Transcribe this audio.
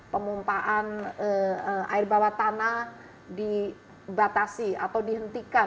pemumpaan air bawah tanah dibatasi atau dihentikan